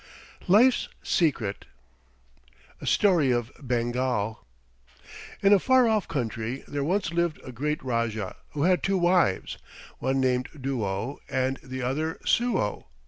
LIFE'S SECRET A STORY OF BENGAL In a far off country there once lived a great Rajah who had two wives, one named Duo and the other Suo.